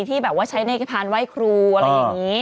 ที่แบบว่าใช้ในพานไหว้ครูอะไรอย่างนี้